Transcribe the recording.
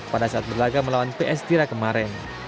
pada saat berlagak melawan ps tira kemarin